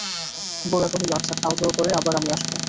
গোরা কহিল, আচ্ছা, খাওয়াদাওয়া করে আবার আমি আসব।